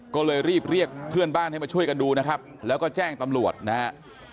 ก็เลยรีบเรียกเพื่อนบ้านให้มาช่วยกันดูนะครับแล้วก็แจ้งตำรวจนะฮะ